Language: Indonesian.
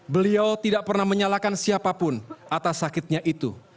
beliau tidak pernah menyalahkan siapapun atas sakitnya itu